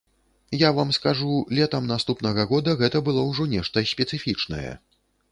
Я вам скажу, летам наступнага года гэта было ўжо нешта спецыфічнае.